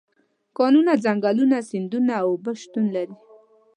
کانونه، ځنګلونه، سیندونه او اوبه شتون لري.